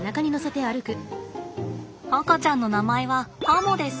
赤ちゃんの名前はアモです。